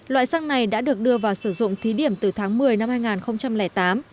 loại xăng này đã được đưa vào sử dụng thí điểm từ tháng một mươi năm hai nghìn tám